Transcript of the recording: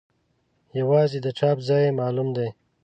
یوازې د چاپ ځای یې معلوم دی.